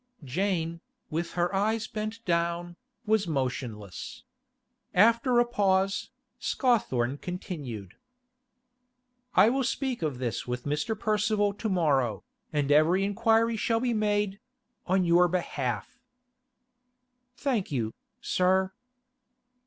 Jane, with her eyes bent down, was motionless. After a pause, Scawthorne continued: 'I will speak of this with Mr. Percival to morrow, and every inquiry shall be made—on your behalf.' 'Thank you, sir.